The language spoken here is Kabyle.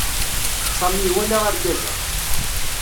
Sami iwala argaz-a.